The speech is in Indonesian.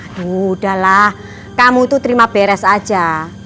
aduh udahlah kamu itu terima beres aja